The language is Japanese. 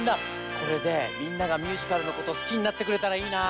これでみんながミュージカルのことすきになってくれたらいいなあ。